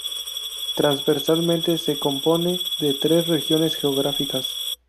Transversalmente, se compone de tres regiones geográficas.